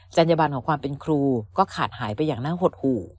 ัญญบันของความเป็นครูก็ขาดหายไปอย่างน่าหดหู่